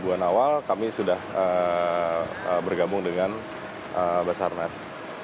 dua ribu an awal kami sudah bergabung dengan bumb